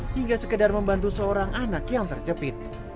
hingga sekedar membantu seorang anak yang terjepit